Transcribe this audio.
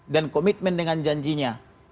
dan komitmen dengan janjinya